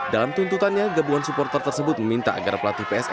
dalam tuntutannya gabungan supporter tersebut meminta agar pelatih pssi